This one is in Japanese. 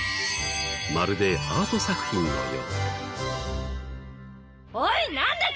まるでアート作品のよう。